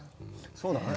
そうだね。